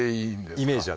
イメージは。